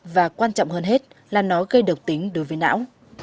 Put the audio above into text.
và quan trọng hơn hết là nó gây độc tính đối với não